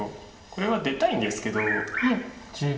これは出たいんですけど。